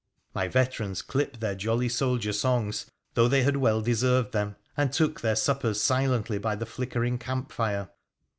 My 216 WONDERFUL ADVENTURES OF veterans clipped their jolly soldier songs, though they had well deserved them, and took their suppers silently by the flicker ing camp fire.